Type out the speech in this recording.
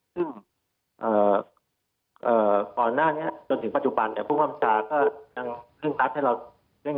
ซึ่งจนถึงปัจจุบันผู้ความสารก็ยังร่วมรับติดตามมาโดยตลอด